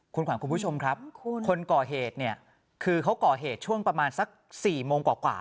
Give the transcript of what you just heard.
คุณขวัญคุณผู้ชมครับคนก่อเหตุเนี่ยคือเขาก่อเหตุช่วงประมาณสัก๔โมงกว่า